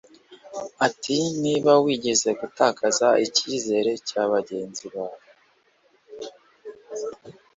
Ati Niba wigeze gutakaza icyizere cya bagenzi bawe